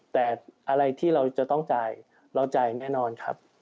แต่อะไรที่เราจะต้องจ่ายเราจ่ายแน่นอนครับ